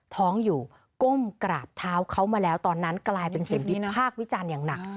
ท้องอยู่ก้มกราบเท้าเขามาแล้วตอนนั้นกลายเป็นสิ่งที่พากษ์วิจารณ์อย่างหนัก